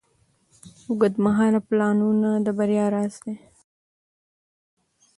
اوږدمهاله پلانونه د بریا راز دی.